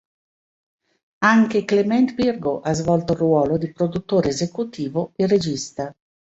Anche Clement Virgo ha svolto il ruolo di produttore esecutivo e regista.